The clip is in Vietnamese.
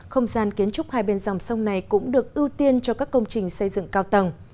không gian kiến trúc hai bên dòng sông này cũng được ưu tiên cho các công trình xây dựng cao tầng